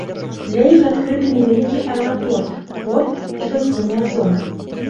Для іх адкрыты невялікі аэрапорт, порт і гасцінная зона.